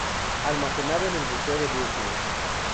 Almacenado en el Museo de Brooklyn.